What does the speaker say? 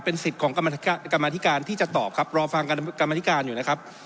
สิทธิ์ของกรรมธิการที่จะตอบครับรอฟังกรรมธิการอยู่นะครับ